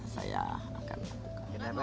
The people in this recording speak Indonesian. saya akan membuka